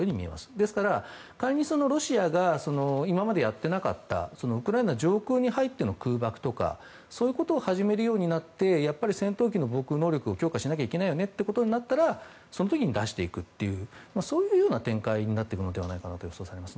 ですから、仮にロシアが今までやっていなかったウクライナ上空に入っての空爆とかそういうことを始めるようになり戦闘機の防空能力を強化しなきゃいけないよねということになったらその時に出していくという展開になるのではと予想されます。